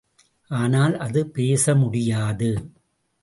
ஆனால், அது பேசமுடியாது!